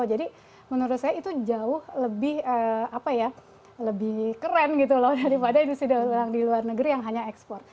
jadi menurut saya itu jauh lebih keren gitu loh daripada industri daur ulang di luar negeri yang hanya ekspor